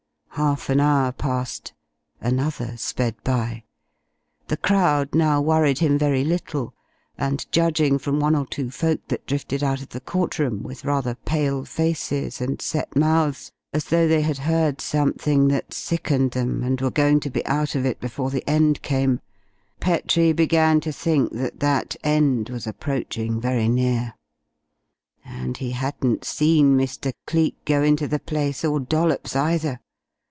Half an hour passed, another sped by. The crowd now worried him very little, and judging from one or two folk that drifted out of the court room, with rather pale faces and set mouths, as though they had heard something that sickened them, and were going to be out of it before the end came, Petrie began to think that that end was approaching very near. And he hadn't seen Mr. Cleek go into the place, or Dollops either!